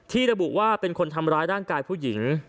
ระบุว่าเป็นคนทำร้ายร่างกายผู้หญิง